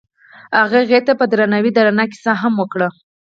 هغه هغې ته په درناوي د رڼا کیسه هم وکړه.